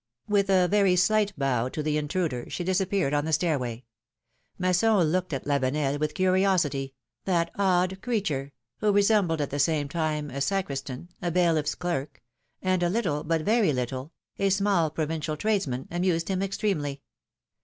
With a very slight bow to the intruder, she disappeared on the stairway. Masson looked at Lavenel with curiosity — that odd creature, who resembled at the same time a sacristan, a bailiff^s clerk — and a little, but very little — a small provincial tradesman, amused him extremely.